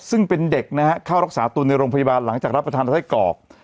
ซึ่งเป็นเด็กนะฮะเข้ารักษาตัวในโรงพยาบาลหลังจากรับประทานไส้กรอก